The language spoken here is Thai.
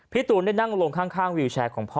ตูนได้นั่งลงข้างวิวแชร์ของพ่อ